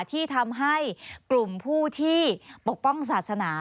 ที่ทำให้กลุ่มผู้ที่ปกป้องศาสนา